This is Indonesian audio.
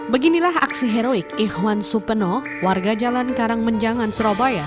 beginilah aksi heroik ikhwan supeno warga jalan karang menjangan surabaya